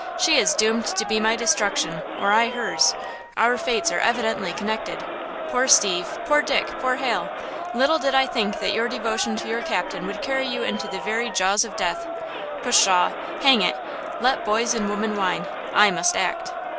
"She is doomed to be my destruction, or I hers! Our fates are evidently connected! Poor Steve! Poor Dick! Poor Hal! Little did I think that your devotion to your captain would carry you into the very jaws of death–pshaw! hang it! Let boys and women whine! I must act!"